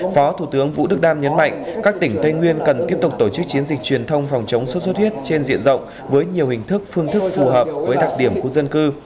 phó thủ tướng vũ đức đam nhấn mạnh các tỉnh tây nguyên cần tiếp tục tổ chức chiến dịch truyền thông phòng chống sốt xuất huyết trên diện rộng với nhiều hình thức phương thức phù hợp với đặc điểm khu dân cư